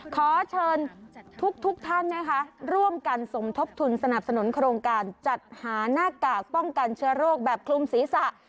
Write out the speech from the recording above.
ขอเชิญทุกท่านนะคะร่วมกันสมทบทุนสนับสนุนโครงการจัดหาหน้ากากป้องกันเชื้อโรคแบบคลุมศีรษะ